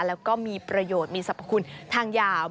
แล้วก็มีประโยชน์มีสรรพคุณทางยาว